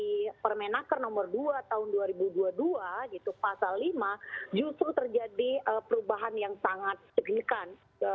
di permenaker nomor dua tahun dua ribu dua puluh dua gitu pasal lima justru terjadi perubahan yang sangat signifikan